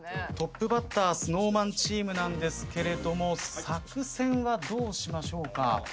トップバッターＳｎｏｗＭａｎチームなんですけど作戦はどうしましょうか？